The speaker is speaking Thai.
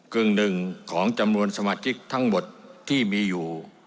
กึ่งหนึ่งของจำนวนสมาชิกทั้งหมดที่มีอยู่